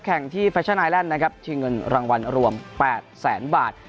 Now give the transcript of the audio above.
แข่งที่แฟชั่นไอแลนด์ที่เงินรางวัลรวม๘แสนบาท